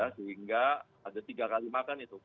sehingga ada tiga kali makan itu